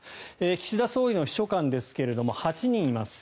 岸田総理の秘書官ですが８人います。